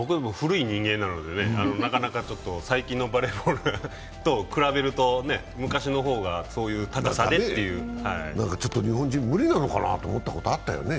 僕は古い人間なので、なかなか最近のバレーボールと比べると昔の方が、そういう高さでっていう日本人無理なのかなと思ったことあったよね、